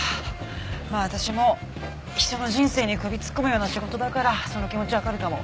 まあ私も人の人生に首突っ込むような仕事だからその気持ちわかるかも。